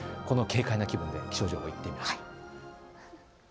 この軽快な気分で気象情報いってみます。